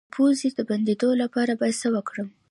د پوزې د بندیدو لپاره باید څه وکاروم؟